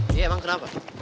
dia emang kenapa